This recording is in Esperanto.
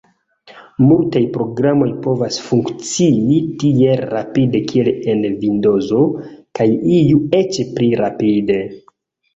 Multaj programoj povas funkcii tiel rapide kiel en Vindozo, kaj iuj eĉ pli rapide.